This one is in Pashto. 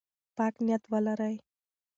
پاک نیت ولرئ.